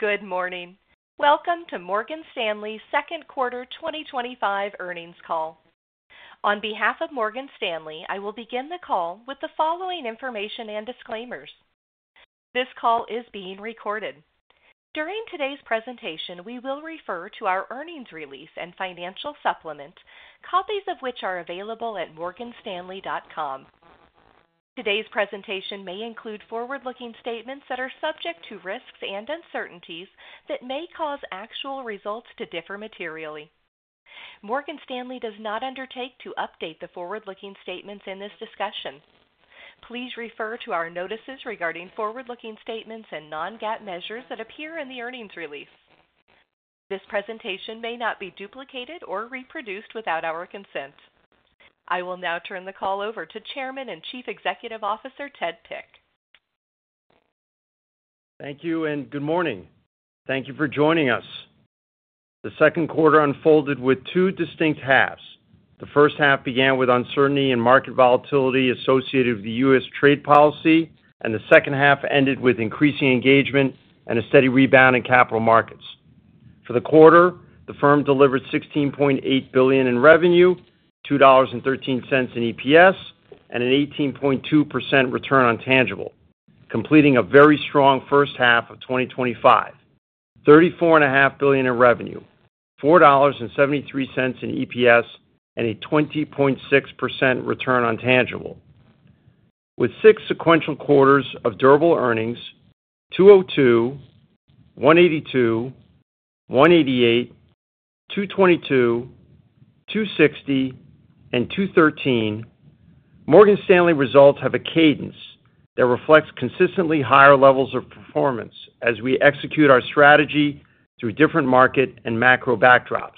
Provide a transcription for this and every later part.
Good morning. Welcome to Morgan Stanley second quarter 2025 earnings call. On behalf of Morgan Stanley, I will begin the call with the following information and disclaimers. This call is being recorded. During today's presentation, we will refer to our earnings release and financial supplement, copies of which are available at morganstanley.com. Today's presentation may include forward-looking statements that are subject to risks and uncertainties that may cause actual results to differ materially. Morgan Stanley does not undertake to update the forward-looking statements in this discussion. Please refer to our notices regarding forward-looking statements and non-GAAP measures that appear in the earnings release. This presentation may not be duplicated or reproduced without our consent. I will now turn the call over to Chairman and Chief Executive Officer Ted Pick. Thank you, and good morning. Thank you for joining us. The second quarter unfolded with two distinct halves. The first half began with uncertainty and market volatility associated with the U.S. trade policy, and the second half ended with increasing engagement and a steady rebound in capital markets. For the quarter, the firm delivered $16.8 billion in revenue, $2.13 in (EPS), and an 18.2% return on tangible, completing a very strong first half of 2025. $34.5 billion in revenue, $4.73 in EPS, and a 20.6% return on tangible. With six sequential quarters of durable earnings, 202 million, 182 million, 188 million, 222 million, 260 million, and 213 million, Morgan Stanley's results have a cadence that reflects consistently higher levels of performance as we execute our strategy through different market and macro backdrops.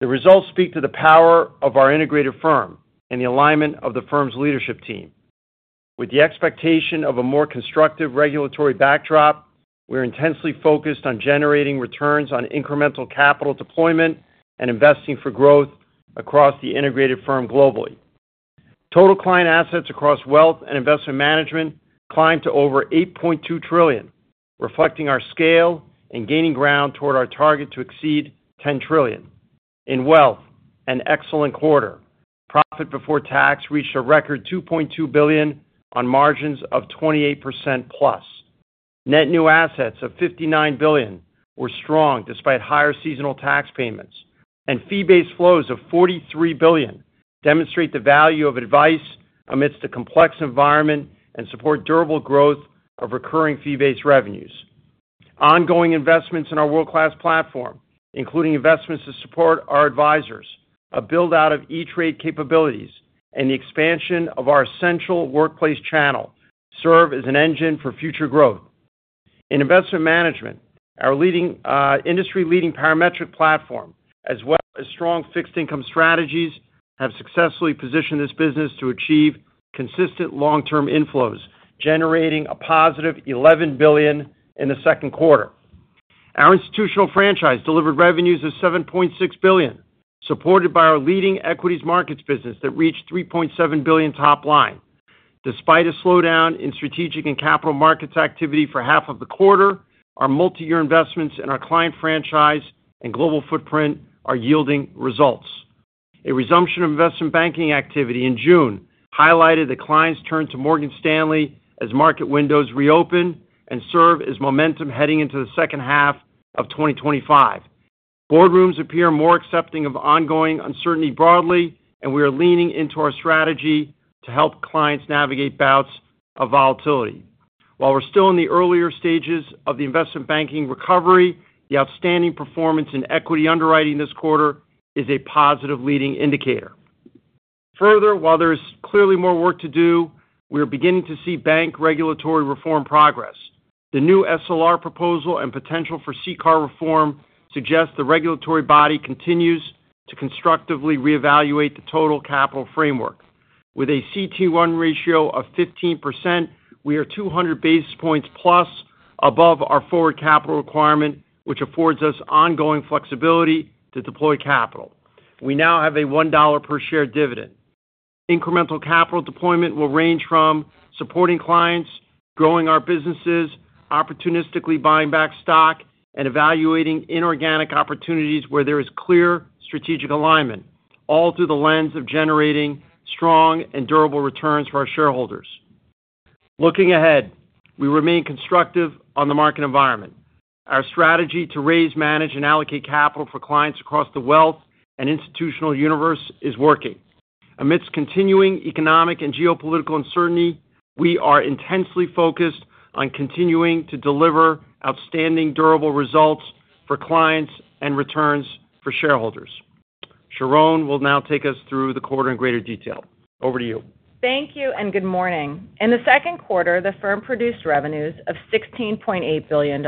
The results speak to the power of our integrated firm and the alignment of the firm's leadership team. With the expectation of a more constructive regulatory backdrop, we're intensely focused on generating returns on incremental capital deployment and investing for growth across the integrated firm globally. Total client assets across wealth and investment management climbed to over $8.2 trillion, reflecting our scale and gaining ground toward our target to exceed $10 trillion. In wealth, an excellent quarter. Profit before tax reached a record $2.2 billion on margins of 28% plus. Net new assets of $59 billion were strong despite higher seasonal tax payments, and fee-based flows of $43 billion demonstrate the value of advice amidst a complex environment and support durable growth of recurring fee-based revenues. Ongoing investments in our world-class platform, including investments to support our advisors, a build-out of E*TRADE capabilities, and the expansion of our essential workplace channel, serve as an engine for future growth. In investment management, our industry-leading Parametric Platform, as well as strong fixed-income strategies, have successfully positioned this business to achieve consistent long-term inflows, generating a positive $11 billion in the second quarter. Our institutional franchise delivered revenues of $7.6 billion, supported by our leading equities markets business that reached $3.7 billion top line. Despite a slowdown in strategic and capital markets activity for half of the quarter, our multi-year investments in our client franchise and global footprint are yielding results. A resumption of investment banking activity in June highlighted the client's turn to Morgan Stanley as market windows reopen and serve as momentum heading into the second half of 2025. Boardrooms appear more accepting of ongoing uncertainty broadly, and we are leaning into our strategy to help clients navigate bouts of volatility. While we're still in the earlier stages of the investment banking recovery, the outstanding performance in equity underwriting this quarter is a positive leading indicator. Further, while there is clearly more work to do, we are beginning to see bank regulatory reform progress. The new SLR proposal and potential for CCAR reform suggest the regulatory body continues to constructively reevaluate the total capital framework. With a CET1 ratio of 15%, we are 200 basis points plus above our forward capital requirement, which affords us ongoing flexibility to deploy capital. We now have a $1 per share dividend. Incremental capital deployment will range from supporting clients, growing our businesses, opportunistically buying back stock, and evaluating inorganic opportunities where there is clear strategic alignment, all through the lens of generating strong and durable returns for our shareholders. Looking ahead, we remain constructive on the market environment. Our strategy to raise, manage, and allocate capital for clients across the wealth and institutional universe is working. Amidst continuing economic and geopolitical uncertainty, we are intensely focused on continuing to deliver outstanding durable results for clients and returns for shareholders. Sharon will now take us through the quarter in greater detail. Over to you. Thank you and good morning. In the second quarter, the firm produced revenues of $16.8 billion.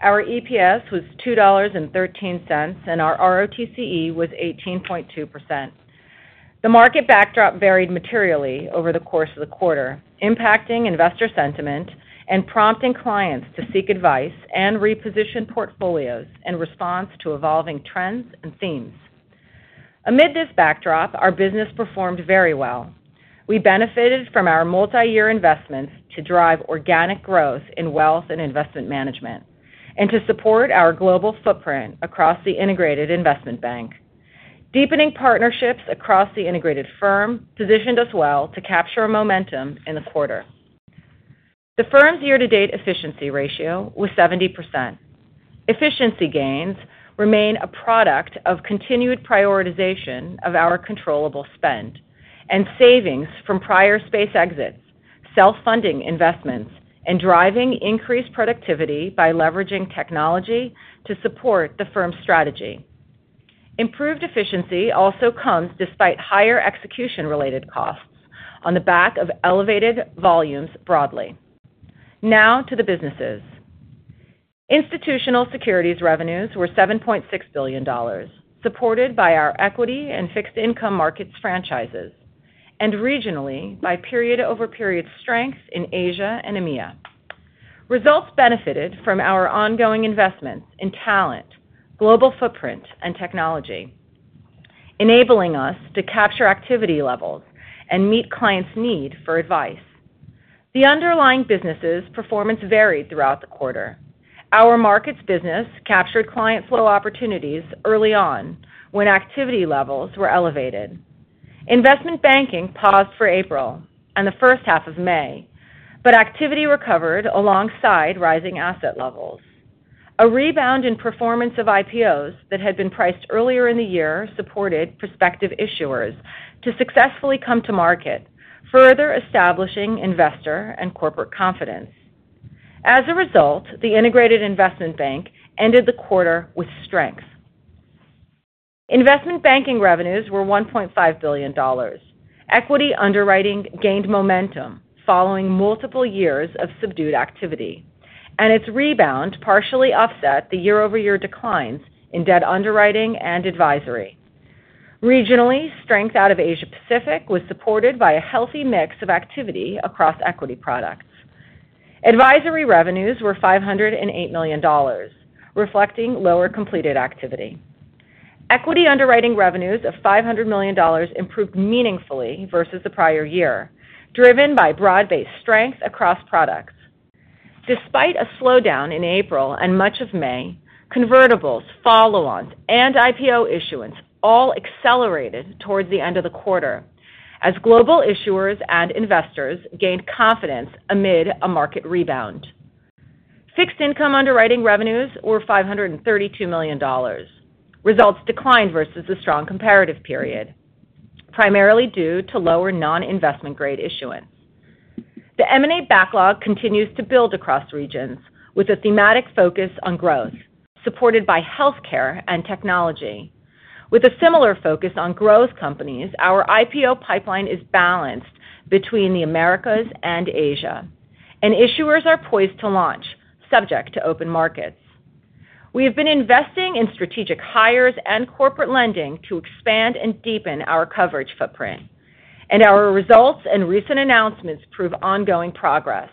Our EPS was $2.13, and our IPOs was 18.2%. The market backdrop varied materially over the course of the quarter, impacting investor sentiment and prompting clients to seek advice and reposition portfolios in response to evolving trends and themes. Amid this backdrop, our business performed very well. We benefited from our multi-year investments to drive organic growth in wealth and investment management and to support our global footprint across the Integrated Investment Bank. Deepening partnerships across the Integrated Firm positioned us well to capture momentum in the quarter. The firm's year-to-date efficiency ratio was 70%. Efficiency gains remain a product of continued prioritization of our controllable spend and savings from prior space exits, self-funding investments, and driving increased productivity by leveraging technology to support the firm's strategy. Improved efficiency also comes despite higher execution-related costs on the back of elevated volumes broadly. Now to the businesses. Institutional securities revenues were $7.6 billion, supported by our equity and fixed-income markets franchises, and regionally by period-over-period strength in Asia and EMEA. Results benefited from our ongoing investments in talent, global footprint, and technology, enabling us to capture activity levels and meet clients' need for advice. The underlying businesses' performance varied throughout the quarter. Our markets business captured client flow opportunities early on when activity levels were elevated. Investment banking paused for April and the first half of May, but activity recovered alongside rising asset levels. A rebound in performance of IPOs that had been priced earlier in the year supported prospective issuers to successfully come to market, further establishing investor and corporate confidence. As a result, the Integrated Investment Bank ended the quarter with strength. Investment banking revenues were $1.5 billion. Equity underwriting gained momentum following multiple years of subdued activity, and its rebound partially offset the year-over-year declines in debt underwriting and advisory. Regionally, strength out of Asia Pacific was supported by a healthy mix of activity across equity products. Advisory revenues were $508 million, reflecting lower completed activity. Equity underwriting revenues of $500 million improved meaningfully versus the prior year, driven by broad-based strength across products. Despite a slowdown in April and much of May, convertibles, follow-ons, and IPO issuance all accelerated towards the end of the quarter as global issuers and investors gained confidence amid a market rebound. Fixed-income underwriting revenues were $532 million. Results declined versus the strong comparative period, primarily due to lower non-investment-grade issuance. The M&A backlog continues to build across regions, with a thematic focus on growth, supported by healthcare and technology. With a similar focus on growth companies, our IPO pipeline is balanced between the Americas and Asia, and issuers are poised to launch, subject to open markets. We have been investing in strategic hires and corporate lending to expand and deepen our coverage footprint, and our results and recent announcements prove ongoing progress.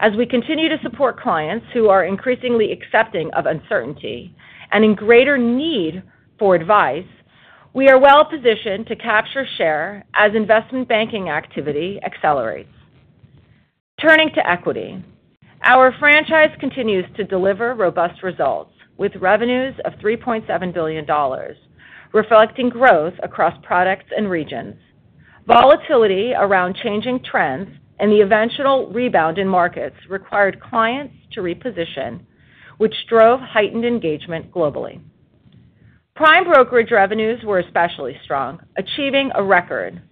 As we continue to support clients who are increasingly accepting of uncertainty and in greater need for advice, we are well-positioned to capture share as investment banking activity accelerates. Turning to equity, our franchise continues to deliver robust results with revenues of $3.7 billion, reflecting growth across products and regions. Volatility around changing trends and the eventual rebound in markets required clients to reposition, which drove heightened engagement globally. Prime brokerage revenues were especially strong, achieving a record.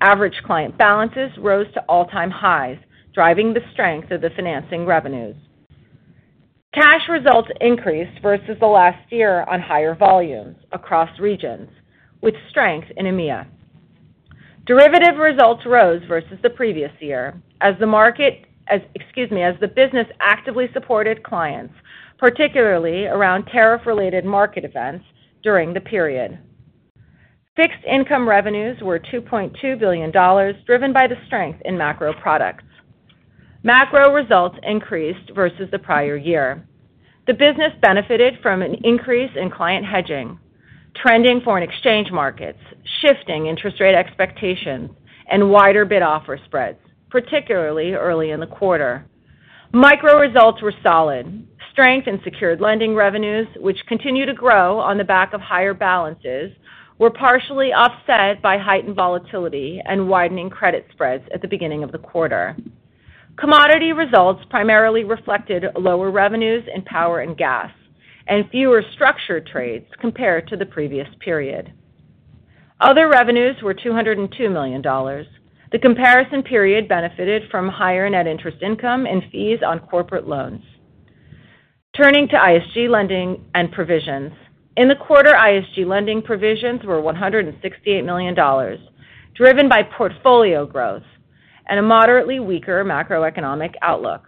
Average client balances rose to all-time highs, driving the strength of the financing revenues. Cash results increased versus the last year on higher volumes across regions, with strength in EMEA. Derivative results rose versus the previous year as the business actively supported clients, particularly around tariff-related market events during the period. Fixed-income revenues were $2.2 billion, driven by the strength in macro products. Macro results increased versus the prior year. The business benefited from an increase in client hedging, trending foreign exchange markets, shifting interest rate expectations, and wider bid-offer spreads, particularly early in the quarter. Micro results were solid. Strength in secured lending revenues, which continue to grow on the back of higher balances, were partially offset by heightened volatility and widening credit spreads at the beginning of the quarter. Commodity results primarily reflected lower revenues in power and gas and fewer structured trades compared to the previous period. Other revenues were $202 million. The comparison period benefited from higher net interest income and fees on corporate loans. Turning to ISG lending and provisions. In the quarter, ISG lending provisions were $168 million, driven by portfolio growth and a moderately weaker macroeconomic outlook.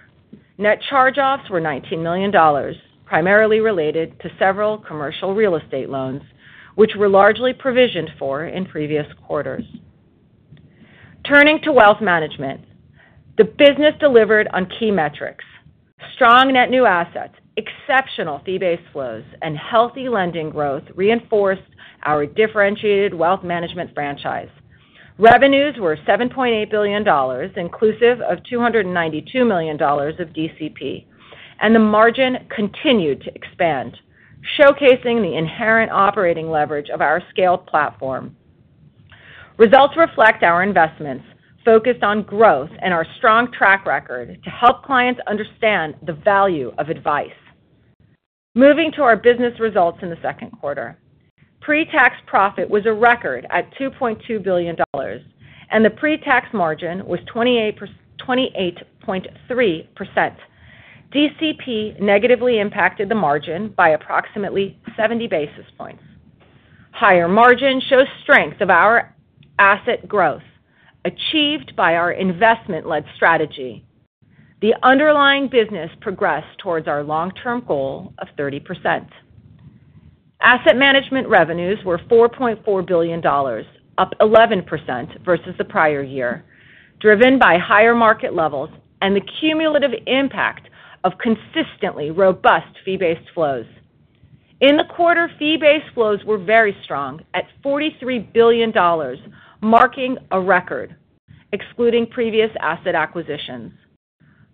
Net charge-offs were $19 million, primarily related to several commercial real estate loans, which were largely provisioned for in previous quarters. Turning to wealth management, the business delivered on key metrics. Strong net new assets, exceptional fee-based flows, and healthy lending growth reinforced our differentiated wealth management franchise. Revenues were $7.8 billion, inclusive of $292 million of DCP, and the margin continued to expand, showcasing the inherent operating leverage of our scaled platform. Results reflect our investments focused on growth and our strong track record to help clients understand the value of advice. Moving to our business results in the second quarter. Pre-tax profit was a record at $2.2 billion, and the pre-tax margin was 28.3%. DCP negatively impacted the margin by approximately 70 basis points. Higher margin shows strength of our asset growth achieved by our investment-led strategy. The underlying business progressed towards our long-term goal of 30%. Asset management revenues were $4.4 billion, up 11% versus the prior year, driven by higher market levels and the cumulative impact of consistently robust fee-based flows. In the quarter, fee-based flows were very strong at $43 billion, marking a record, excluding previous asset acquisitions.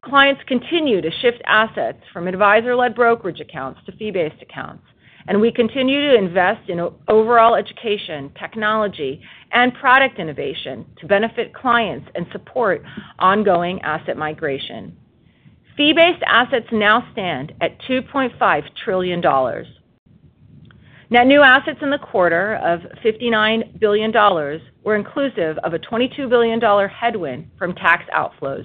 Clients continue to shift assets from advisor-led brokerage accounts to fee-based accounts, and we continue to invest in overall education, technology, and product innovation to benefit clients and support ongoing asset migration. Fee-based assets now stand at $2.5 trillion. Net new assets in the quarter of $59 billion were inclusive of a $22 billion headwind from tax outflows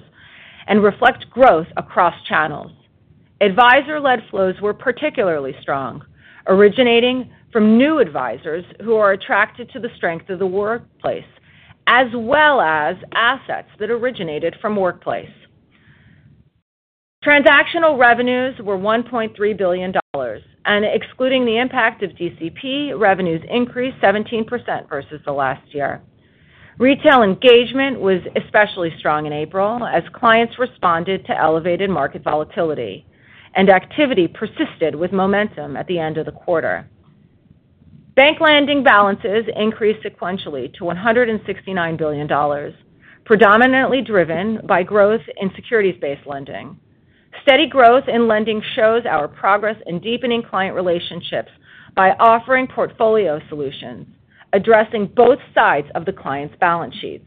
and reflect growth across channels. Advisor-led flows were particularly strong, originating from new advisors who are attracted to the strength of the workplace, as well as assets that originated from workplace. Transactional revenues were $1.3 billion, and excluding the impact of DCP, revenues increased 17% versus the last year. Retail engagement was especially strong in April as clients responded to elevated market volatility, and activity persisted with momentum at the end of the quarter. Bank lending balances increased sequentially to $169 billion, predominantly driven by growth in securities-based lending. Steady growth in lending shows our progress in deepening client relationships by offering portfolio solutions, addressing both sides of the client's balance sheets.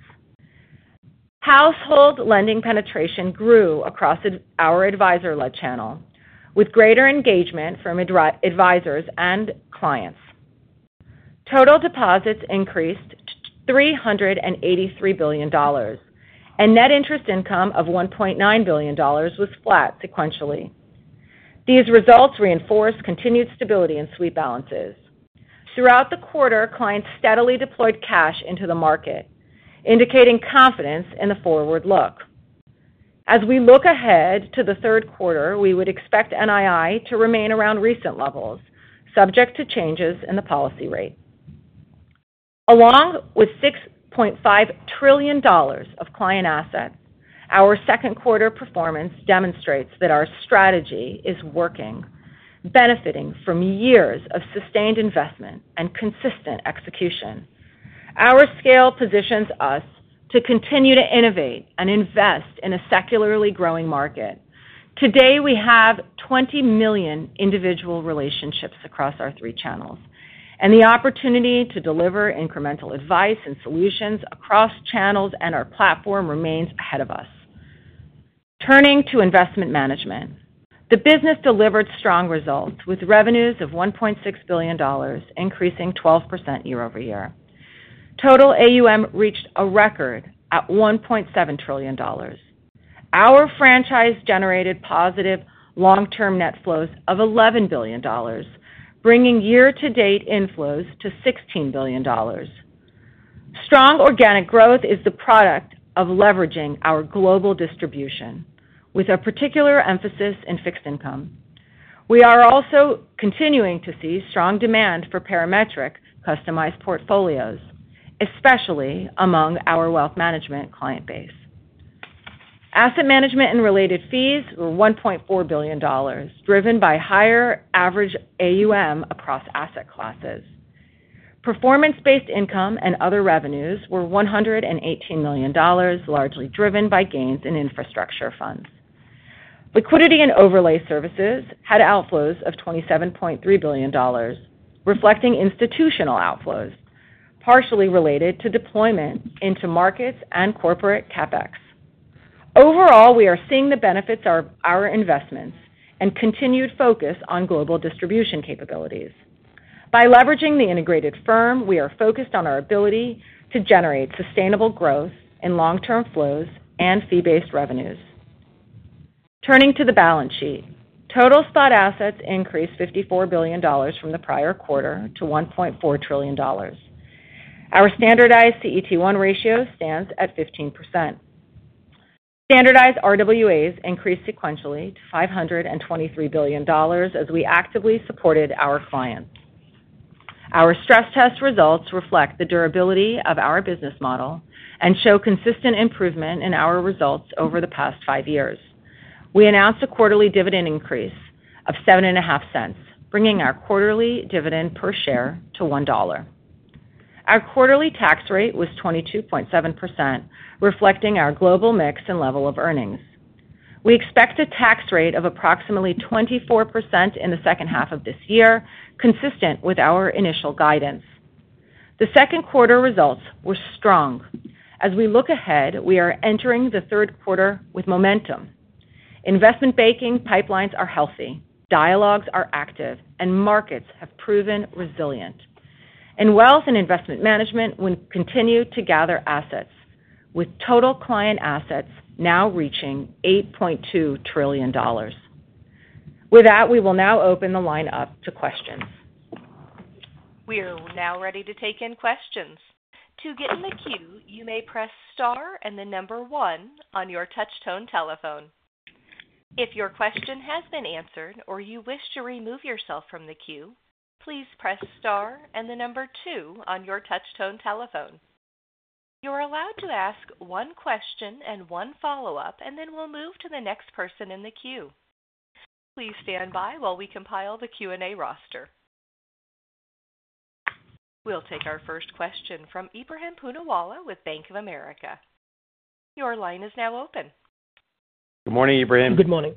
Household lending penetration grew across our advisor-led channel, with greater engagement from advisors and clients. Total deposits increased to $383 billion, and net interest income of $1.9 billion was flat sequentially. These results reinforced continued stability in sweep balances. Throughout the quarter, clients steadily deployed cash into the market, indicating confidence in the forward look. As we look ahead to the third quarter, we would expect NII to remain around recent levels, subject to changes in the policy rate. Along with $6.5 trillion of client assets, our second quarter performance demonstrates that our strategy is working, benefiting from years of sustained investment and consistent execution. Our scale positions us to continue to innovate and invest in a secularly growing market. Today, we have 20 million individual relationships across our three channels, and the opportunity to deliver incremental advice and solutions across channels and our platform remains ahead of us. Turning to investment management, the business delivered strong results with revenues of $1.6 billion, increasing 12% year-over-year. Total AUM reached a record at $1.7 trillion. Our franchise generated positive long-term net flows of $11 billion, bringing year-to-date inflows to $16 billion. Strong organic growth is the product of leveraging our global distribution, with a particular emphasis in fixed income. We are also continuing to see strong demand for Parametric customized portfolios, especially among our wealth management client base. Asset management and related fees were $1.4 billion, driven by higher average AUM across asset classes. Performance-based income and other revenues were $118 million, largely driven by gains in infrastructure funds. Liquidity and overlay services had outflows of $27.3 billion, reflecting institutional outflows partially related to deployment into markets and corporate CapEx. Overall, we are seeing the benefits of our investments and continued focus on global distribution capabilities. By leveraging the Integrated Firm, we are focused on our ability to generate sustainable growth in long-term flows and fee-based revenues. Turning to the balance sheet, total spot assets increased $54 billion from the prior quarter to $1.4 trillion. Our standardized CET1 ratio stands at 15%. Standardized RWAs increased sequentially to $523 billion as we actively supported our clients. Our stress test results reflect the durability of our business model and show consistent improvement in our results over the past five years. We announced a quarterly dividend increase of $0.075, bringing our quarterly dividend per share to $1. Our quarterly tax rate was 22.7%, reflecting our global mix and level of earnings. We expect a tax rate of approximately 24% in the second half of this year, consistent with our initial guidance. The second quarter results were strong. As we look ahead, we are entering the third quarter with momentum. Investment banking pipelines are healthy, dialogues are active, and markets have proven resilient. In wealth and investment management, we continue to gather assets, with total client assets now reaching $8.2 trillion. With that, we will now open the line up to questions. We are now ready to take in questions. To get in the queue, you may press star and the number one on your touch-tone telephone. If your question has been answered or you wish to remove yourself from the queue, please press star and the number two on your touch-tone telephone. You're allowed to ask one question and one follow-up, and then we'll move to the next person in the queue. Please stand by while we compile the Q&A roster. We'll take our first question from Ebrahim Poonawala with Bank of America. Your line is now open. Good morning, Ebrahim. Goodmorning.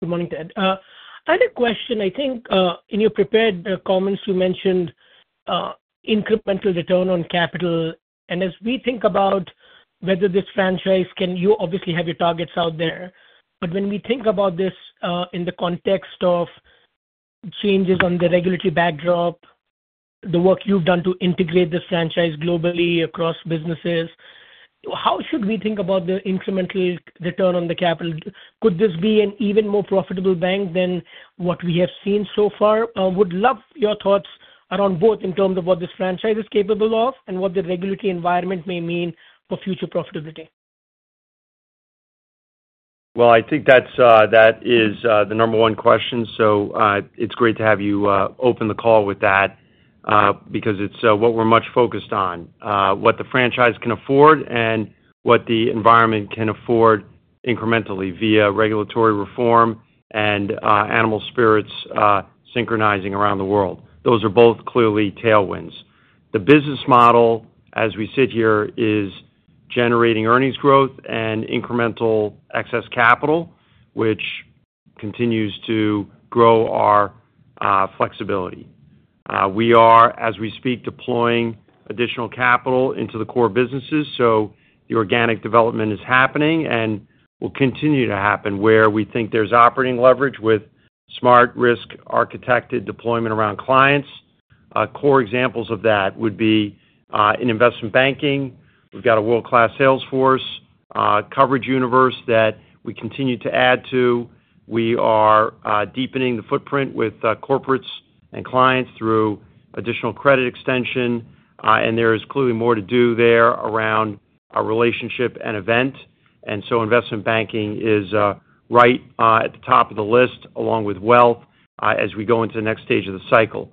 Good morning, Ted. I had a question. I think in your prepared comments, you mentioned incremental return on capital. And as we think about whether this franchise can—you obviously have your targets out there—but when we think about this in the context of changes on the regulatory backdrop, the work you've done to integrate this franchise globally across businesses, how should we think about the incremental return on the capital? Could this be an even more profitable bank than what we have seen so far? I would love your thoughts around both in terms of what this franchise is capable of and what the regulatory environment may mean for future profitability. I think that is the number one question. It's great to have you open the call with that because it's what we're much focused on: what the franchise can afford and what the environment can afford incrementally via regulatory reform and animal spirits synchronizing around the world. Those are both clearly tailwinds. The business model, as we sit here, is generating earnings growth and incremental excess capital, which continues to grow our flexibility. We are, as we speak, deploying additional capital into the core businesses. The organic development is happening and will continue to happen where we think there's operating leverage with smart risk architected deployment around clients. Core examples of that would be in investment banking. We've got a world-class Salesforce coverage universe that we continue to add to. We are deepening the footprint with corporates and clients through additional credit extension. There is clearly more to do there around our relationship and event. Investment banking is right at the top of the list, along with wealth as we go into the next stage of the cycle.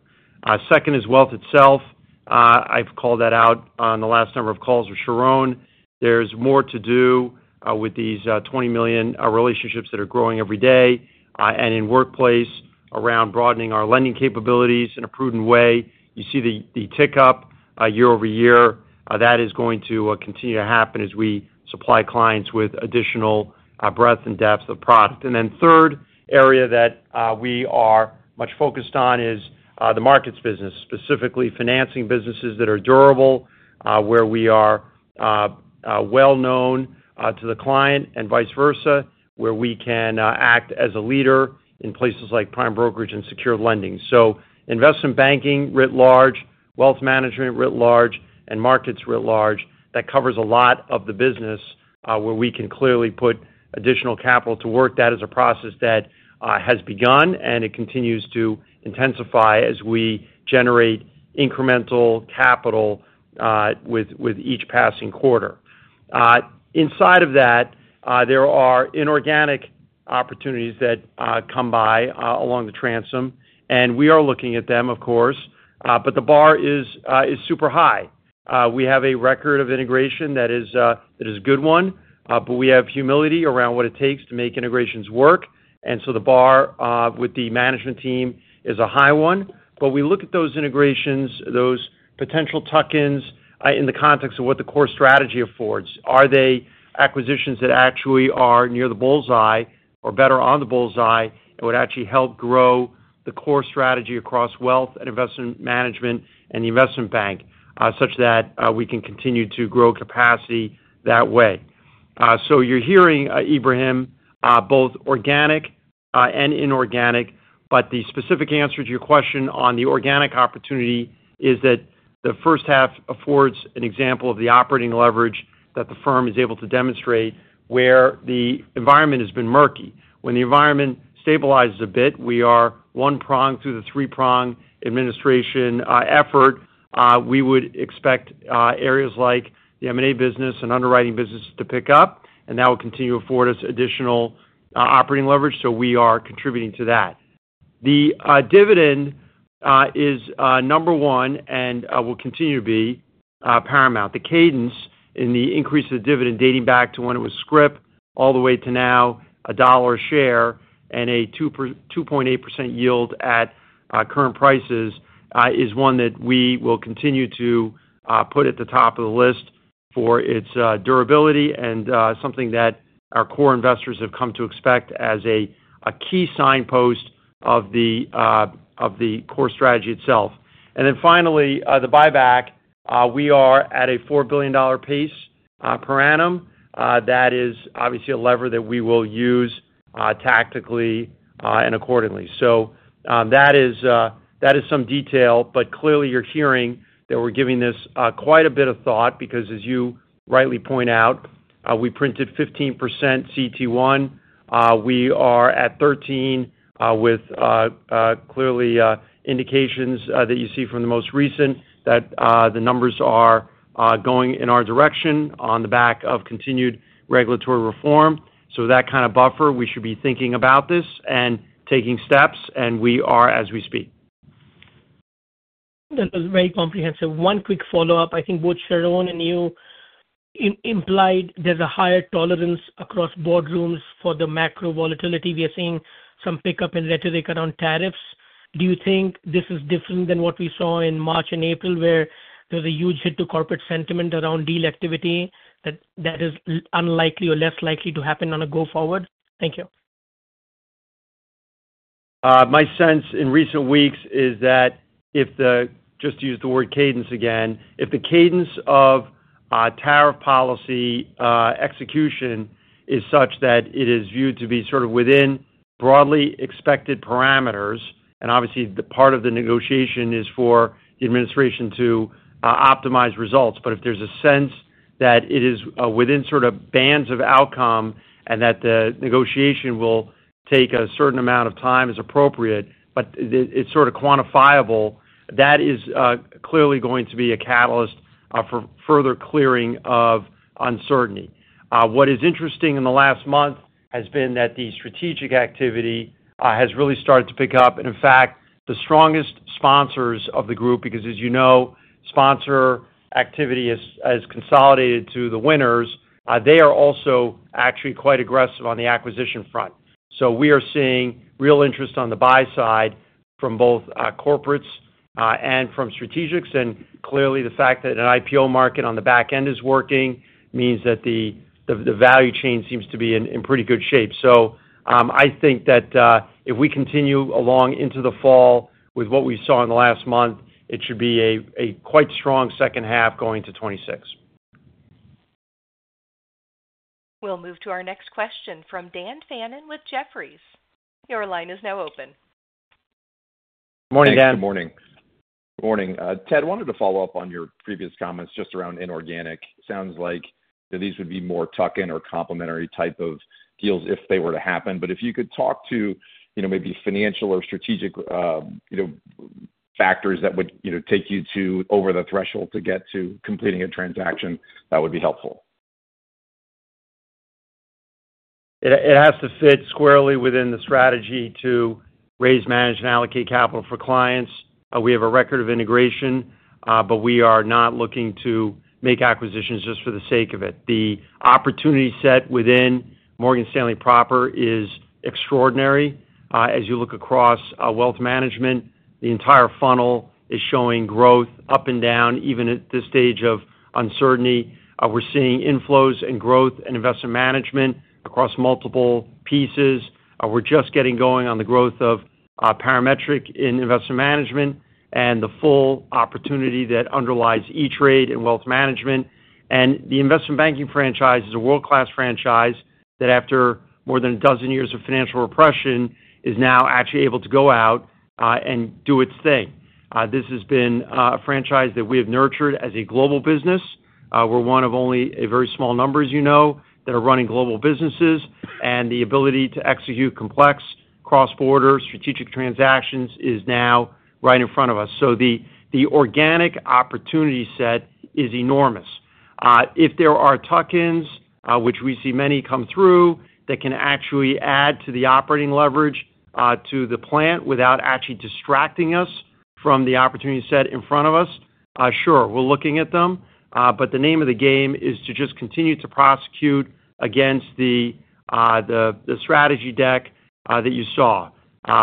Second is wealth itself. I've called that out on the last number of calls with Sharon. There's more to do with these 20 million relationships that are growing every day and in workplace around broadening our lending capabilities in a prudent way. You see the tick up year over year. That is going to continue to happen as we supply clients with additional breadth and depth of product. The third area that we are much focused on is the markets business, specifically financing businesses that are durable, where we are well-known to the client and vice versa, where we can act as a leader in places like prime brokerage and secure lending. Investment banking writ large, wealth management writ large, and markets writ large, that covers a lot of the business where we can clearly put additional capital to work. That is a process that has begun and it continues to intensify as we generate incremental capital with each passing quarter. Inside of that, there are inorganic opportunities that come by along the transom, and we are looking at them, of course, but the bar is super high. We have a record of integration that is a good one, but we have humility around what it takes to make integrations work. The bar with the management team is a high one. We look at those integrations, those potential tuck-ins in the context of what the core strategy affords. Are they acquisitions that actually are near the bull's eye or better on the bull's eye? It would actually help grow the core strategy across wealth and investment management and the investment bank such that we can continue to grow capacity that way. You are hearing, Ibrahim, both organic and inorganic, but the specific answer to your question on the organic opportunity is that the first half affords an example of the operating leverage that the firm is able to demonstrate where the environment has been murky. When the environment stabilizes a bit, we are one prong through the three-prong administration effort. We would expect areas like the M&A business and underwriting business to pick up, and that will continue to afford us additional operating leverage. We are contributing to that. The dividend is number one and will continue to be paramount. The cadence in the increase of dividend dating back to when it was SCRIP all the way to now a dollar a share and a 2.8% yield at current prices is one that we will continue to put at the top of the list for its durability and something that our core investors have come to expect as a key signpost of the core strategy itself. Finally, the buyback, we are at a $4 billion pace per annum. That is obviously a lever that we will use tactically and accordingly. That is some detail, but clearly you're hearing that we're giving this quite a bit of thought because, as you rightly point out, we printed 15% CET1. We are at 13 with clearly indications that you see from the most recent that the numbers are going in our direction on the back of continued regulatory reform. That kind of buffer, we should be thinking about this and taking steps, and we are as we speak. That was very comprehensive. One quick follow-up. I think both Sharon and you implied there's a higher tolerance across boardrooms for the macro volatility. We are seeing some pickup in rhetoric around tariffs. Do you think this is different than what we saw in March and April, where there was a huge hit to corporate sentiment around deal activity that is unlikely or less likely to happen on a go-forward? Thank you. My sense in recent weeks is that if the—just to use the word cadence again—if the cadence of tariff policy execution is such that it is viewed to be sort of within broadly expected parameters, and obviously part of the negotiation is for the administration to optimize results. If there's a sense that it is within sort of bands of outcome and that the negotiation will take a certain amount of time as appropriate, but it's sort of quantifiable, that is clearly going to be a catalyst for further clearing of uncertainty. What is interesting in the last month has been that the strategic activity has really started to pick up. In fact, the strongest sponsors of the group, because as you know, sponsor activity has consolidated to the winners, they are also actually quite aggressive on the acquisition front. We are seeing real interest on the buy side from both corporates and from strategics. Clearly, the fact that an IPO market on the back end is working means that the value chain seems to be in pretty good shape. I think that if we continue along into the fall with what we saw in the last month, it should be a quite strong second half going to 2026. We'll move to our next question from Dan Fannon with Jefferies. Your line is now open. Good morning, Dan. Good morning. Good morning. Ted, I wanted to follow up on your previous comments just around inorganic. Sounds like these would be more tuck-in or complementary type of deals if they were to happen. If you could talk to maybe financial or strategic factors that would take you over the threshold to get to completing a transaction, that would be helpful. It has to fit squarely within the strategy to raise, manage, and allocate capital for clients. We have a record of integration, but we are not looking to make acquisitions just for the sake of it. The opportunity set within Morgan Stanley Proper is extraordinary. As you look across wealth management, the entire funnel is showing growth up and down, even at this stage of uncertainty. We're seeing inflows and growth in investment management across multiple pieces. We're just getting going on the growth of Parametric in investment management and the full opportunity that underlies each rate in wealth management. The investment banking franchise is a world-class franchise that, after more than a dozen years of financial repression, is now actually able to go out and do its thing. This has been a franchise that we have nurtured as a global business. We're one of only a very small number, as you know, that are running global businesses. The ability to execute complex cross-border strategic transactions is now right in front of us. The organic opportunity set is enormous. If there are tuck-ins, which we see many come through, that can actually add to the operating leverage to the plant without actually distracting us from the opportunity set in front of us, sure, we're looking at them. The name of the game is to just continue to prosecute against the strategy deck that you saw.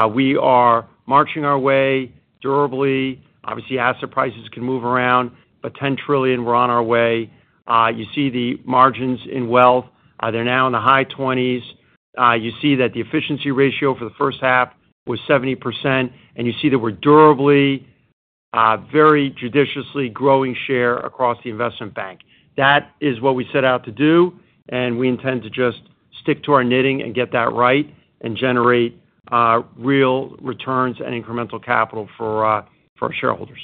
We are marching our way durably. Obviously, asset prices can move around, but $10 trillion, we're on our way. You see the margins in wealth. They're now in the high 20s. You see that the efficiency ratio for the first half was 70%. You see that we're durably, very judiciously growing share across the investment bank. That is what we set out to do. We intend to just stick to our knitting and get that right and generate real returns and incremental capital for our shareholders.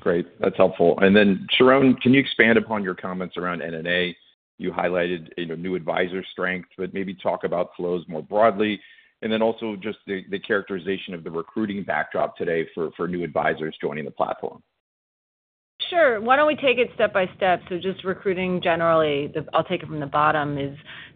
Great. That's helpful. Sharon, can you expand upon your comments around N&A? You highlighted new advisor strength, but maybe talk about flows more broadly. Also, just the characterization of the recruiting backdrop today for new advisors joining the platform. Sure. Why don't we take it step by step? Just recruiting generally, I'll take it from the bottom.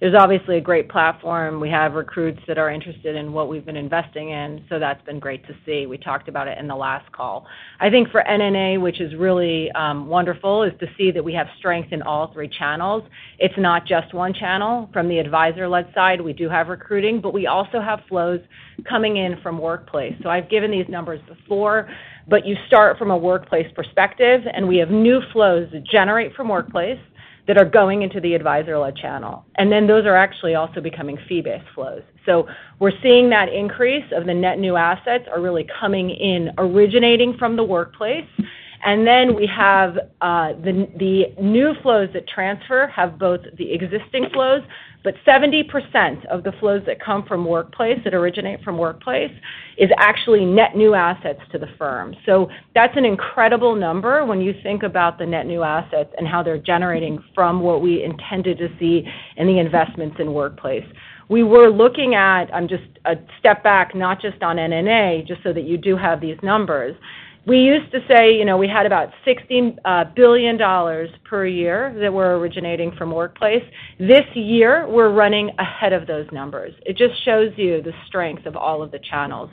There's obviously a great platform. We have recruits that are interested in what we've been investing in. That's been great to see. We talked about it in the last call. I think for N&A, which is really wonderful, is to see that we have strength in all three channels. It's not just one channel. From the advisor-led side, we do have recruiting, but we also have flows coming in from workplace. I've given these numbers before, but you start from a workplace perspective, and we have new flows that generate from workplace that are going into the advisor-led channel. Those are actually also becoming fee-based flows. We're seeing that increase of the net new assets are really coming in, originating from the workplace. We have the new flows that transfer, have both the existing flows, but 70% of the flows that come from workplace, that originate from workplace, is actually net new assets to the firm. That's an incredible number when you think about the net new assets and how they're generating from what we intended to see in the investments in workplace. We were looking at—I'm just a step back, not just on N&A, just so that you do have these numbers. We used to say we had about $16 billion per year that were originating from workplace. This year, we're running ahead of those numbers. It just shows you the strength of all of the channels.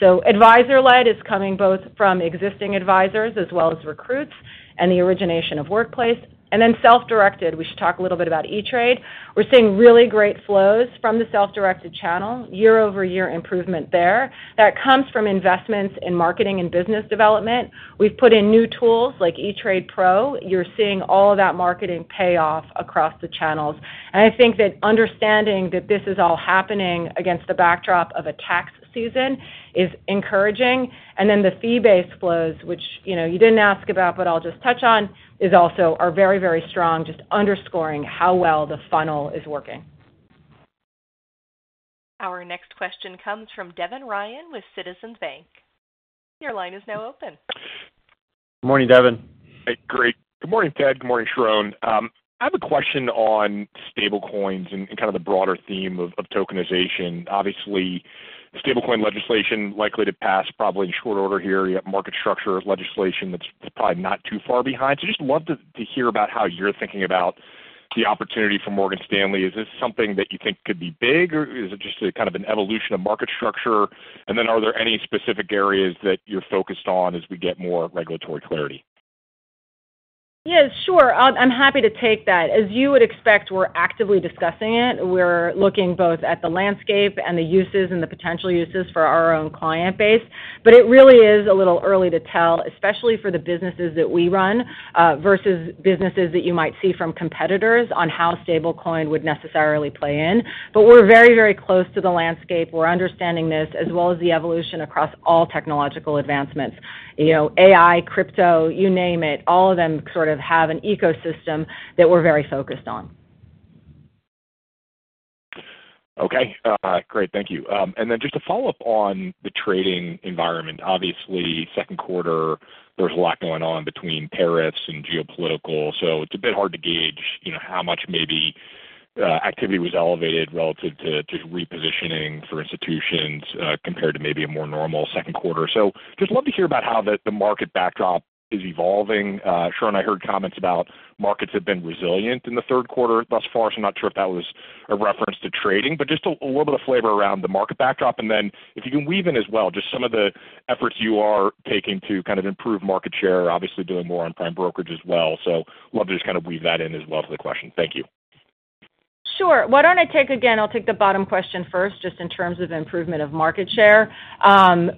Advisor-led is coming both from existing advisors as well as recruits and the origination of workplace. Self-directed, we should talk a little bit about E*TRADE. We're seeing really great flows from the self-directed channel, year-over-year improvement there. That comes from investments in marketing and business development. We've put in new tools like E*TRADE Pro. You're seeing all of that marketing pay off across the channels. I think that understanding that this is all happening against the backdrop of a tax season is encouraging. The fee-based flows, which you didn't ask about, but I'll just touch on, are very, very strong, just underscoring how well the funnel is working. Our next question comes from Devin Ryan with Citizens Bank. Your line is now open. Good morning, Devin. Great. Good morning, Ted. Good morning, Sharon. I have a question on stablecoins and kind of the broader theme of tokenization. Obviously, stablecoin legislation likely to pass probably in short order here. You have market structure legislation that's probably not too far behind. Just love to hear about how you're thinking about the opportunity for Morgan Stanley. Is this something that you think could be big, or is it just kind of an evolution of market structure? Are there any specific areas that you're focused on as we get more regulatory clarity? Yeah sure. I'm happy to take that. As you would expect, we're actively discussing it. We're looking both at the landscape and the uses and the potential uses for our own client base. It really is a little early to tell, especially for the businesses that we run versus businesses that you might see from competitors on how stablecoin would necessarily play in. We are very, very close to the landscape. We are understanding this as well as the evolution across all technological advancements. AI, crypto, you name it, all of them sort of have an ecosystem that we are very focused on. Okay. Great. Thank you. Just to follow up on the trading environment, obviously, second quarter, there was a lot going on between tariffs and geopolitical. It is a bit hard to gauge how much maybe activity was elevated relative to repositioning for institutions compared to maybe a more normal second quarter. I would just love to hear about how the market backdrop is evolving. Sharon, I heard comments about markets have been resilient in the third quarter thus far. I'm not sure if that was a reference to trading, but just a little bit of flavor around the market backdrop. If you can weave in as well just some of the efforts you are taking to kind of improve market share, obviously doing more on prime brokerage as well. Love to just kind of weave that in as well to the question. Thank you. Sure why don't I take—again, I'll take the bottom question first, just in terms of improvement of market share.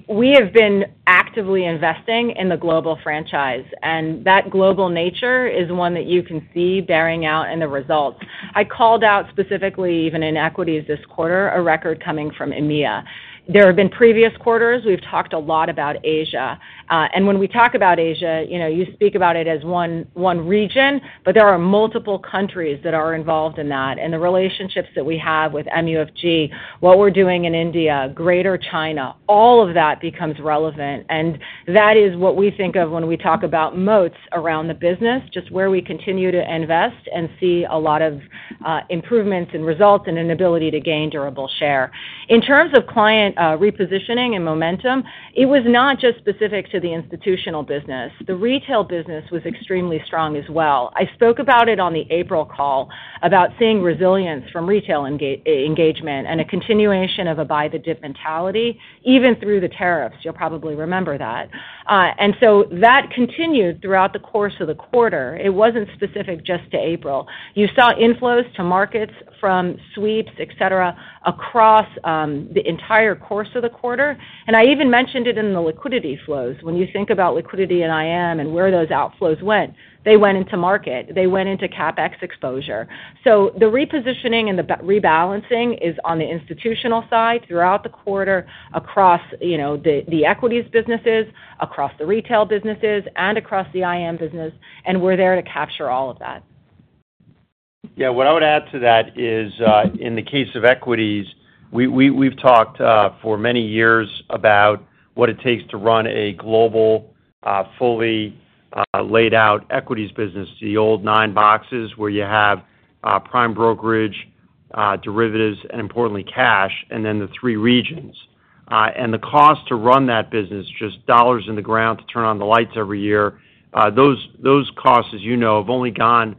We have been actively investing in the global franchise, and that global nature is one that you can see bearing out in the results. I called out specifically, even in equities this quarter, a record coming from EMEA. There have been previous quarters. We've talked a lot about Asia. When we talk about Asia, you speak about it as one region, but there are multiple countries that are involved in that. The relationships that we have with MUFG, what we are doing in India, Greater China, all of that becomes relevant. That is what we think of when we talk about moats around the business, just where we continue to invest and see a lot of improvements in results and an ability to gain durable share. In terms of client repositioning and momentum, it was not just specific to the institutional business. The retail business was extremely strong as well. I spoke about it on the April call about seeing resilience from retail engagement and a continuation of a buy-the-dip mentality, even through the tariffs. You will probably remember that. That continued throughout the course of the quarter. It was not specific just to April. You saw inflows to markets from sweeps, etc., across the entire course of the quarter. I even mentioned it in the liquidity flows. When you think about liquidity and IM and where those outflows went, they went into market. They went into CapEx exposure. The repositioning and the rebalancing is on the institutional side throughout the quarter, across the equities businesses, across the retail businesses, and across the IM business. We are there to capture all of that. Yeah. What I would add to that is, in the case of equities, we have talked for many years about what it takes to run a global, fully laid-out equities business, the old nine boxes where you have prime brokerage, derivatives, and importantly, cash, and then the three regions. The cost to run that business, just dollars in the ground to turn on the lights every year, those costs, as you know, have only gone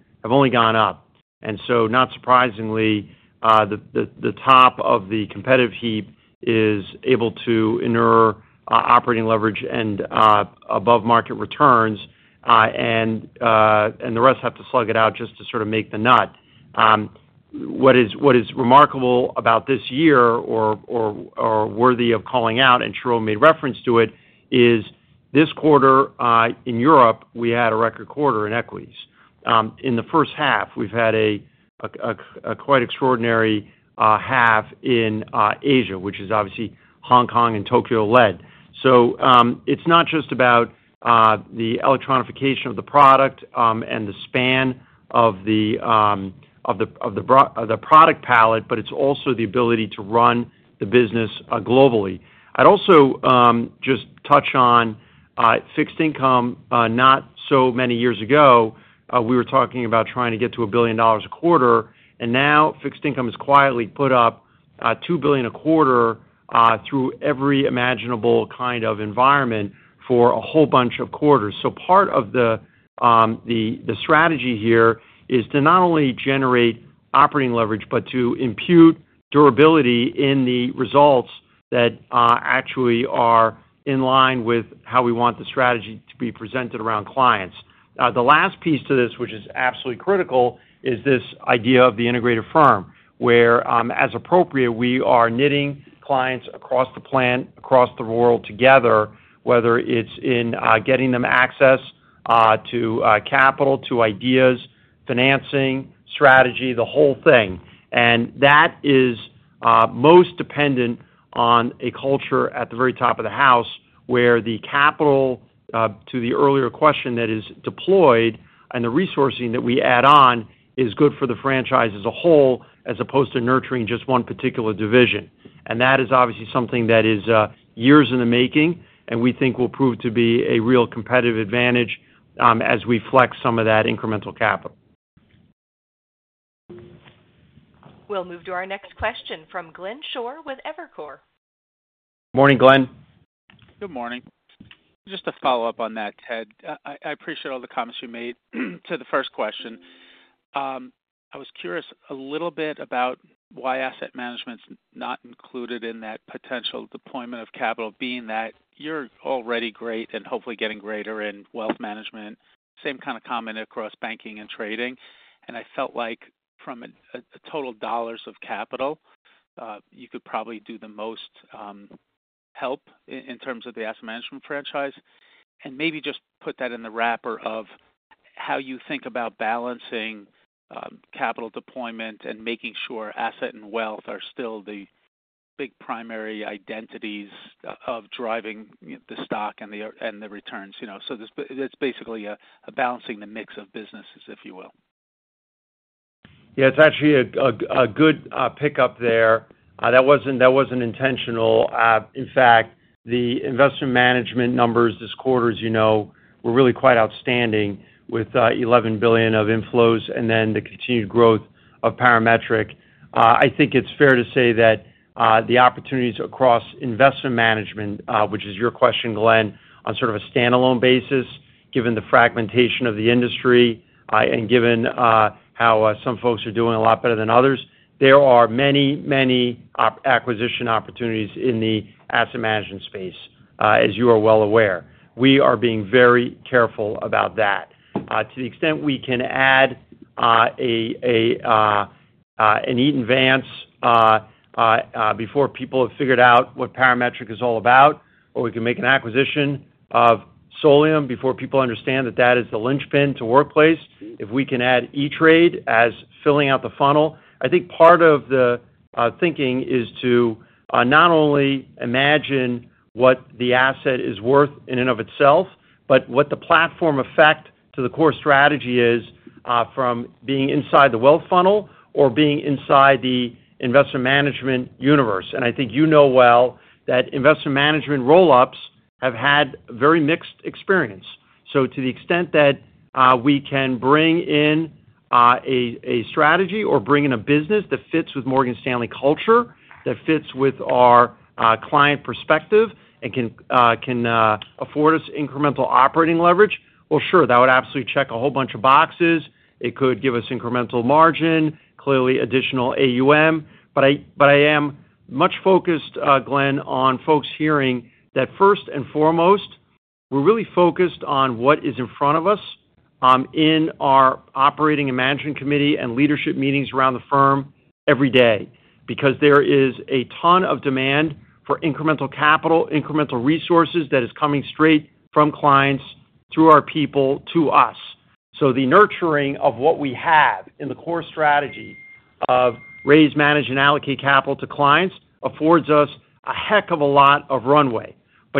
up. Not surprisingly, the top of the competitive heap is able to inner operating leverage and above-market returns, and the rest have to slug it out just to sort of make the nut. What is remarkable about this year or worthy of calling out, and Sharon made reference to it, is this quarter in Europe, we had a record quarter in equities. In the first half, we've had a quite extraordinary half in Asia, which is obviously Hong Kong and Tokyo-led. It is not just about the electronification of the product and the span of the product palette, but it is also the ability to run the business globally. I would also just touch on fixed income. Not so many years ago, we were talking about trying to get to a billion dollars a quarter. Now fixed income has quietly put up $2 billion a quarter through every imaginable kind of environment for a whole bunch of quarters. Part of the strategy here is to not only generate operating leverage, but to impute durability in the results that actually are in line with how we want the strategy to be presented around clients. The last piece to this, which is absolutely critical, is this idea of the integrated firm, where, as appropriate, we are knitting clients across the plan, across the world together, whether it's in getting them access to capital, to ideas, financing, strategy, the whole thing. That is most dependent on a culture at the very top of the house where the capital to the earlier question that is deployed and the resourcing that we add on is good for the franchise as a whole as opposed to nurturing just one particular division. That is obviously something that is years in the making, and we think will prove to be a real competitive advantage as we flex some of that incremental capital. We'll move to our next question from Glenn Schorr with Evercore. Morning Glenn. Good morning. Just to follow up on that, Ted, I appreciate all the comments you made to the first question. I was curious a little bit about why asset management's not included in that potential deployment of capital, being that you're already great and hopefully getting greater in wealth management, same kind of comment across banking and trading. I felt like from a total dollars of capital, you could probably do the most help in terms of the asset management franchise. Maybe just put that in the wrapper of how you think about balancing capital deployment and making sure asset and wealth are still the big primary identities of driving the stock and the returns. It is basically balancing the mix of businesses, if you will. Yeah it is actually a good pickup there. That was not intentional. In fact, the investment management numbers this quarter, as you know, were really quite outstanding with $11 billion of inflows and then the continued growth of Parametric. I think it's fair to say that the opportunities across investment management, which is your question, Glenn, on sort of a standalone basis, given the fragmentation of the industry and given how some folks are doing a lot better than others, there are many, many acquisition opportunities in the asset management space, as you are well aware. We are being very careful about that. To the extent we can add an Eaton Vance before people have figured out what Parametric is all about, or we can make an acquisition of Solium before people understand that that is the linchpin to workplace, if we can add E*TRADE as filling out the funnel, I think part of the thinking is to not only imagine what the asset is worth in and of itself, but what the platform effect to the core strategy is from being inside the wealth funnel or being inside the investment management universe. I think you know well that investment management roll-ups have had very mixed experience. To the extent that we can bring in a strategy or bring in a business that fits with Morgan Stanley culture, that fits with our client perspective and can afford us incremental operating leverage, sure, that would absolutely check a whole bunch of boxes. It could give us incremental margin, clearly additional AUM. I am much focused, Glenn, on folks hearing that first and foremost, we're really focused on what is in front of us in our operating and management committee and leadership meetings around the firm every day because there is a ton of demand for incremental capital, incremental resources that is coming straight from clients through our people to us. The nurturing of what we have in the core strategy of raise, manage, and allocate capital to clients affords us a heck of a lot of runway.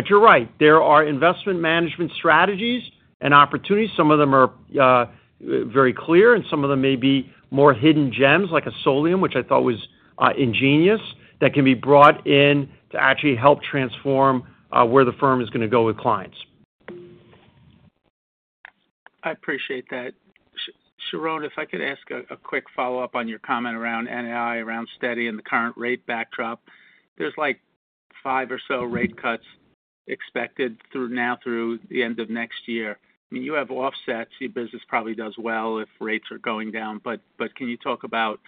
You're right. There are investment management strategies and opportunities. Some of them are very clear, and some of them may be more hidden gems like a Solium, which I thought was ingenious, that can be brought in to actually help transform where the firm is going to go with clients. I appreciate that. Sharon, if I could ask a quick follow-up on your comment around NII, around steady and the current rate backdrop, there's like five or so rate cuts expected now through the end of next year. I mean, you have offsets. Your business probably does well if rates are going down. Can you talk about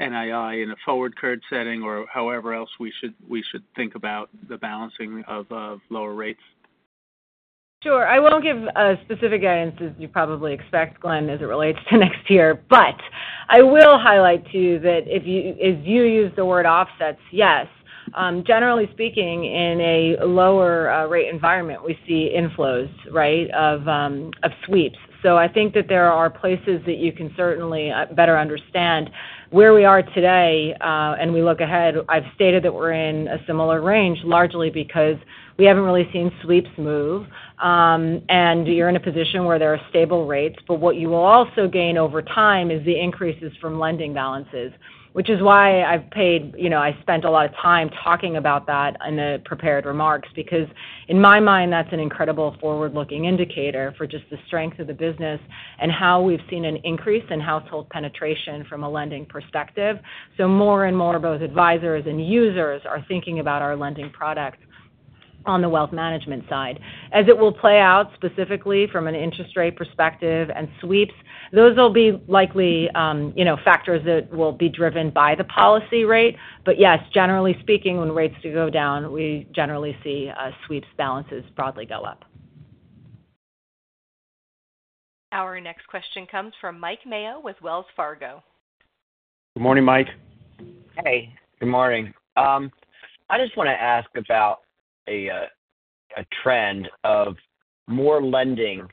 NII in a forward curve setting or however else we should think about the balancing of lower rates? Sure. I won't give specific guidance as you probably expect, Glenn, as it relates to next year. I will highlight to you that if you use the word offsets, yes. Generally speaking, in a lower rate environment, we see inflows, right, of sweeps. I think that there are places that you can certainly better understand where we are today. We look ahead. I've stated that we're in a similar range largely because we haven't really seen sweeps move. You're in a position where there are stable rates. What you will also gain over time is the increases from lending balances, which is why I spent a lot of time talking about that in the prepared remarks because, in my mind, that's an incredible forward-looking indicator for just the strength of the business and how we've seen an increase in household penetration from a lending perspective. More and more both advisors and users are thinking about our lending product on the wealth management side. As it will play out specifically from an interest rate perspective and sweeps, those will be likely factors that will be driven by the policy rate. Yes, generally speaking, when rates do go down, we generally see sweeps balances broadly go up. Our next question comes from Mike Mayo with Wells Fargo. Good morning, Mike. Hey, good morning. I just want to ask about a trend of more lending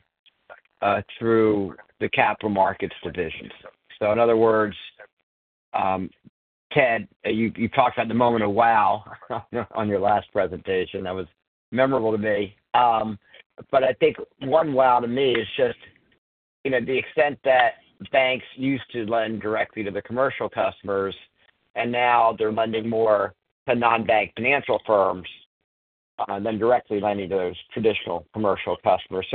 through the capital markets divisions. In other words, Ted, you talked about the moment of wow on your last presentation. That was memorable to me. I think one wow to me is just the extent that banks used to lend directly to the commercial customers, and now they're lending more to non-bank financial firms than directly lending to those traditional commercial customers.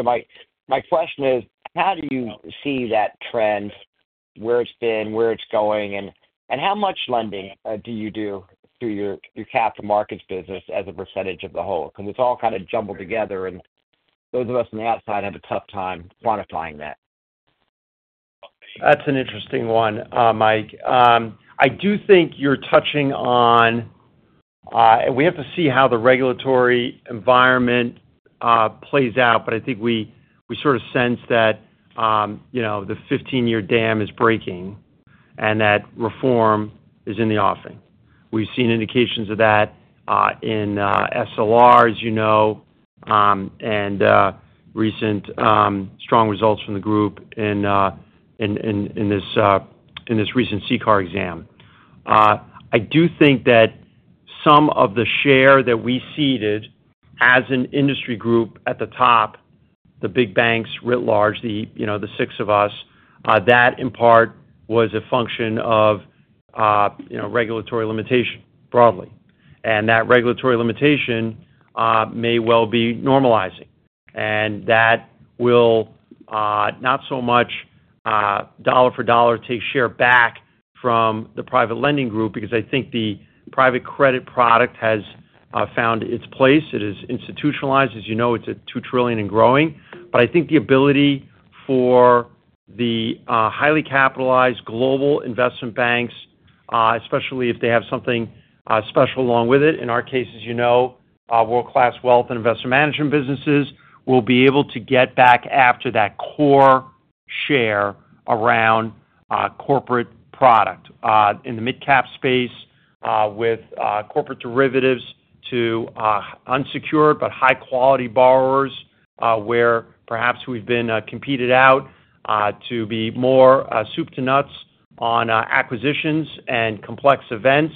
My question is, how do you see that trend, where it's been, where it's going, and how much lending do you do through your capital markets business as a percentage of the whole? Because it's all kind of jumbled together, and those of us on the outside have a tough time quantifying that. That's an interesting one, Mike. I do think you're touching on, and we have to see how the regulatory environment plays out, but I think we sort of sense that the 15-year dam is breaking and that reform is in the offing. We've seen indications of that in SLRs, you know, and recent strong results from the group in this recent CCAR exam. I do think that some of the share that we ceded as an industry group at the top, the big banks writ large, the six of us, that in part was a function of regulatory limitation broadly. That regulatory limitation may well be normalizing. That will not so much dollar for dollar take share back from the private lending group because I think the private credit product has found its place. It is institutionalized. As you know, it's at $2 trillion and growing. I think the ability for the highly capitalized global investment banks, especially if they have something special along with it, in our case, as you know, world-class wealth and investment management businesses, will be able to get back after that core share around corporate product in the mid-cap space with corporate derivatives to unsecured but high-quality borrowers where perhaps we've been competed out to be more soup to nuts on acquisitions and complex events.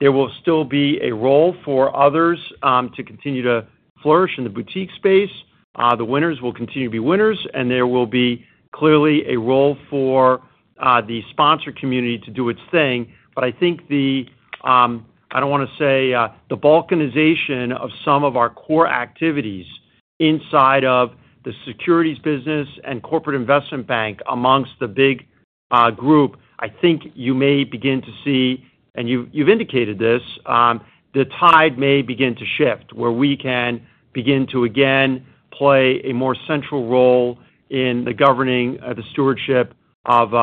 There will still be a role for others to continue to flourish in the boutique space. The winners will continue to be winners, and there will be clearly a role for the sponsor community to do its thing. I think the—I do not want to say the Balkanization of some of our core activities inside of the securities business and corporate investment bank amongst the big group, I think you may begin to see—you have indicated this—the tide may begin to shift where we can begin to again play a more central role in the governing of the stewardship of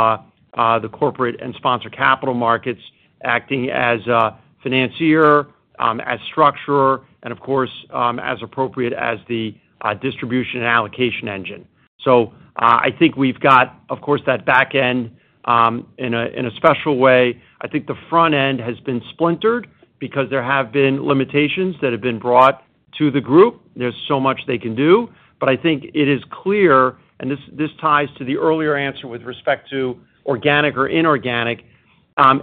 the corporate and sponsor capital markets, acting as a financier, as structurer, and of course, as appropriate, as the distribution and allocation engine. I think we have got, of course, that back end in a special way. I think the front end has been splintered because there have been limitations that have been brought to the group. There is so much they can do. I think it is clear, and this ties to the earlier answer with respect to organic or inorganic,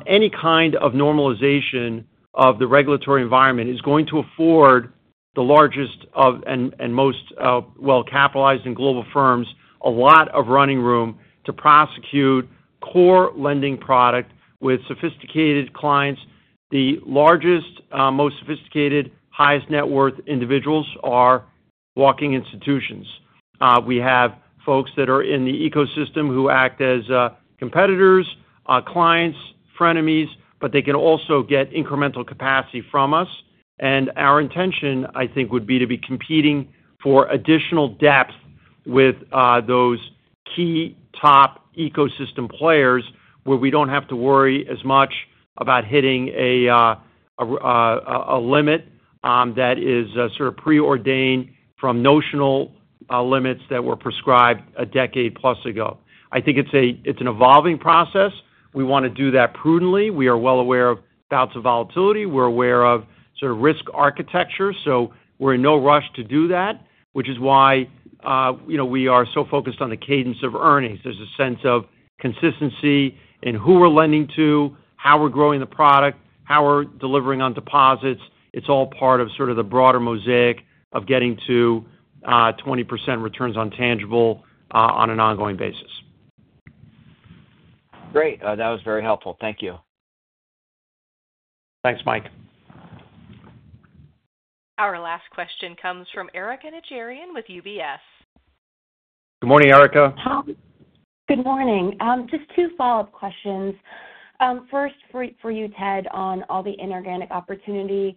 any kind of normalization of the regulatory environment is going to afford the largest and most well-capitalized and global firms a lot of running room to prosecute core lending product with sophisticated clients. The largest, most sophisticated, highest net worth individuals are walking institutions. We have folks that are in the ecosystem who act as competitors, clients, frenemies, but they can also get incremental capacity from us. Our intention, I think, would be to be competing for additional depth with those key top ecosystem players where we do not have to worry as much about hitting a limit that is sort of preordained from notional limits that were prescribed a decade plus ago. I think it is an evolving process. We want to do that prudently. We are well aware of bouts of volatility. We're aware of sort of risk architecture. We're in no rush to do that, which is why we are so focused on the cadence of earnings. There's a sense of consistency in who we're lending to, how we're growing the product, how we're delivering on deposits. It's all part of sort of the broader mosaic of getting to 20% returns on tangible on an ongoing basis. Great. That was very helpful. Thank you. Thanks, Mike. Our last question comes from Erika Najarian with UBS. Good morning, Erika. Good morning. Just two follow-up questions. First, for you, Ted, on all the inorganic opportunity.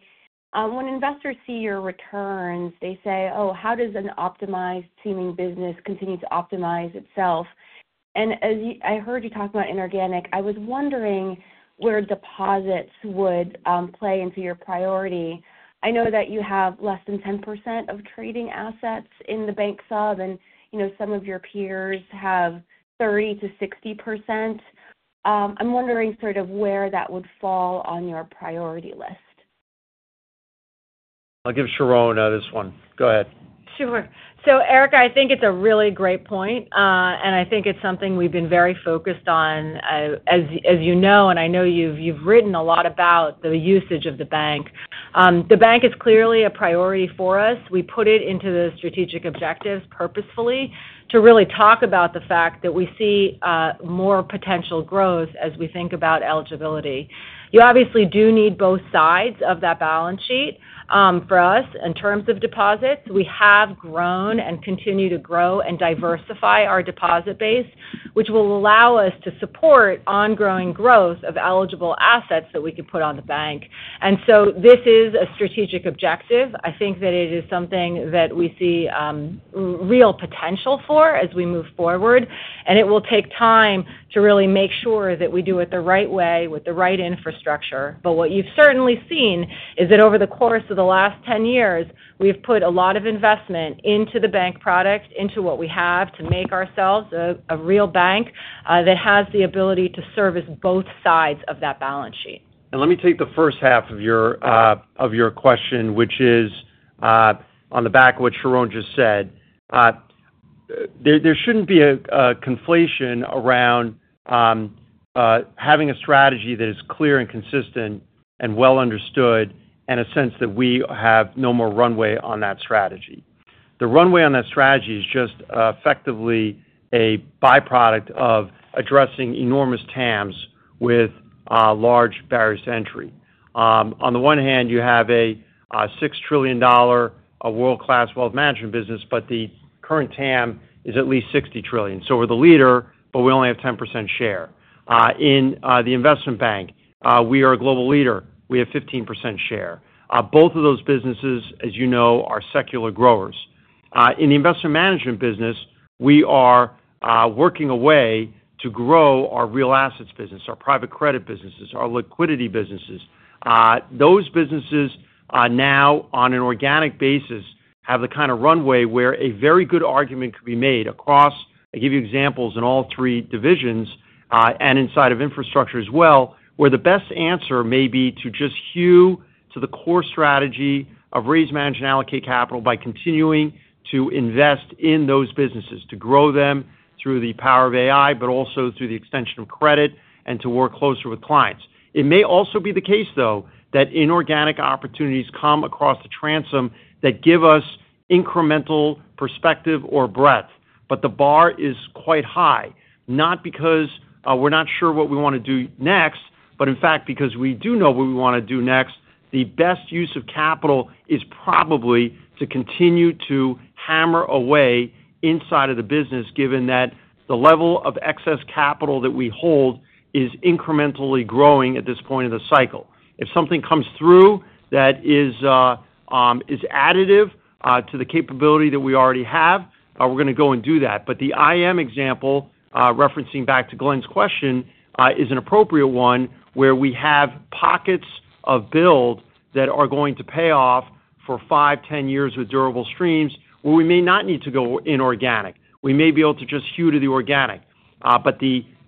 When investors see your returns, they say, "Oh, how does an optimized seeming business continue to optimize itself?" As I heard you talk about inorganic, I was wondering where deposits would play into your priority. I know that you have less than 10% of trading assets in the bank sub, and some of your peers have 30-60%. I'm wondering sort of where that would fall on your priority list. I will give Sharon this one. Go ahead. Sure, so Erika, I think it's a really great point. I think it's something we've been very focused on, as you know, and I know you've written a lot about the usage of the bank. The bank is clearly a priority for us. We put it into the strategic objectives purposefully to really talk about the fact that we see more potential growth as we think about eligibility. You obviously do need both sides of that balance sheet for us in terms of deposits. We have grown and continue to grow and diversify our deposit base, which will allow us to support ongoing growth of eligible assets that we can put on the bank. This is a strategic objective. I think that it is something that we see real potential for as we move forward. It will take time to really make sure that we do it the right way with the right infrastructure. What you've certainly seen is that over the course of the last 10 years, we've put a lot of investment into the bank product, into what we have to make ourselves a real bank that has the ability to service both sides of that balance sheet. Let me take the first half of your question, which is on the back of what Sharon just said. There should not be a conflation around having a strategy that is clear and consistent and well understood and a sense that we have no more runway on that strategy. The runway on that strategy is just effectively a byproduct of addressing enormous TAMs with large barriers to entry. On the one hand, you have a $6 trillion world-class wealth management business, but the current TAM is at least $60 trillion. We are the leader, but we only have 10% share. In the investment bank, we are a global leader. We have 15% share. Both of those businesses, as you know, are secular growers. In the investment management business, we are working away to grow our real assets business, our private credit businesses, our liquidity businesses. Those businesses now, on an organic basis, have the kind of runway where a very good argument could be made across—I give you examples in all three divisions and inside of infrastructure as well—where the best answer may be to just hue to the core strategy of raise, manage, and allocate capital by continuing to invest in those businesses, to grow them through the power of AI, but also through the extension of credit and to work closer with clients. It may also be the case, though, that inorganic opportunities come across the transom that give us incremental perspective or breadth. The bar is quite high, not because we're not sure what we want to do next, but in fact, because we do know what we want to do next. The best use of capital is probably to continue to hammer away inside of the business, given that the level of excess capital that we hold is incrementally growing at this point in the cycle. If something comes through that is additive to the capability that we already have, we're going to go and do that. The IM example, referencing back to Glenn's question, is an appropriate one where we have pockets of build that are going to pay off for 5-10 years with durable streams where we may not need to go inorganic. We may be able to just hue to the organic.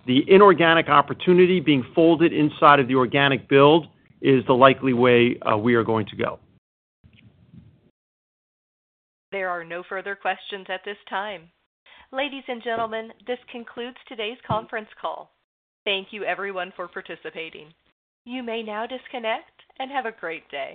The inorganic opportunity being folded inside of the organic build is the likely way we are going to go. There are no further questions at this time. Ladies and gentlemen, this concludes today's conference call. Thank you, everyone, for participating. You may now disconnect and have a great day.